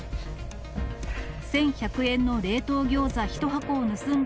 １１００円の冷凍ギョーザ１箱を盗んだ